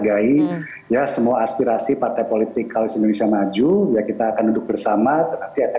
saya kembalikan lagi itu kan itu kenapa sekjen anda yang bilang ini anak muda berpengalaman di pemerintahan